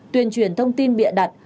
tuyên truyền thông tin bịa đặt